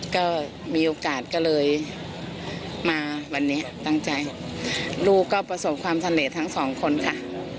ก็มีโอกาสก็เลยมาวันนี้ตั้งใจลูกก็ประสบความสำเร็จทั้งสองคนค่ะ